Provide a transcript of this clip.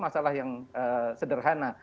masalah yang sederhana